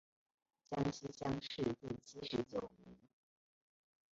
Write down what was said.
江西乡试第七十九名。